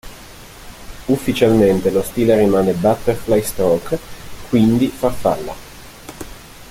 Ufficialmente lo stile rimane "butterfly stroke", quindi farfalla.